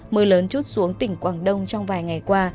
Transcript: mưa lớn chút xuống tỉnh quảng đông trong vài ngày qua